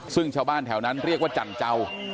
ซึ่งชาวบ้านแถวนั้นเรียกว่าจันเจ้า